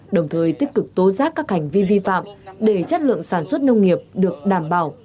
đồng thời tích cực tố giác các hành vi vi phạm để chất lượng sản xuất nông nghiệp được đảm bảo